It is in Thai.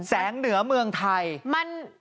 เหนือเมืองไทย